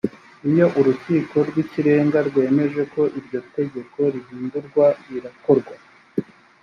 iyo urukiko rw ikirenga rwemeje ko iryo tegeko rihindurwa birakorwa